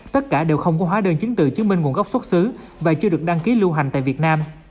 tất cả đều không có hóa đơn chứng từ chứng minh nguồn gốc xuất xứ và chưa được đăng ký lưu hành tại việt nam